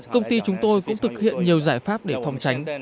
công ty chúng tôi cũng thực hiện nhiều giải pháp để phòng tránh